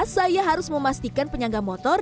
saya harus memastikan penyangga motor